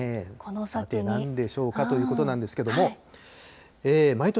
さて、なんでしょうかということなんですけれども。